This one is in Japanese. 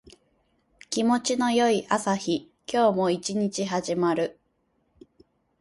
気持ちの良い朝日。今日も一日始まる。